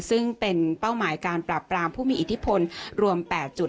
ซึ่งเป็นเป้าหมายการปรับปรามผู้มีอิทธิพลรวม๘จุด